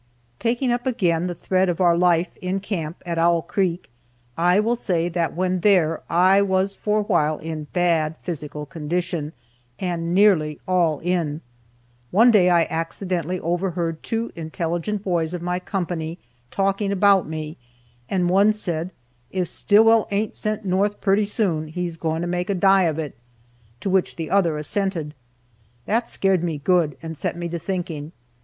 Taking up again the thread of our life in camp at Owl creek, I will say that when there I was for a while in bad physical condition, and nearly "all in." One day I accidentally overheard two intelligent boys of my company talking about me, and one said, "If Stillwell aint sent north purty soon, he's goin' to make a die of it;" to which the other assented. That scared me good, and set me to thinking.